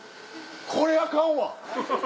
これアカンわ。